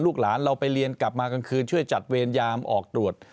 หลานเราไปเรียนกลับมากลางคืนช่วยจัดเวรยามออกตรวจ